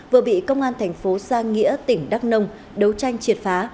vừa bị công an tp sa nghĩa tỉnh đắk nông đấu tranh triệt phá